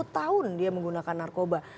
dua tahun dia menggunakan narkoba